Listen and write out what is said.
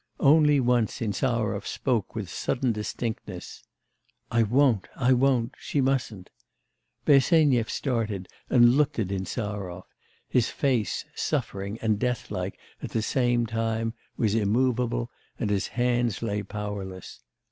Only once Insarov spoke with sudden distinctness: 'I won't, I won't, she mustn't....' Bersenyev started and looked at Insarov; his face, suffering and death like at the same time, was immovable, and his hands lay powerless.